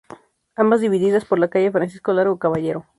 Ambas divididas por la calle Francisco Largo Caballero.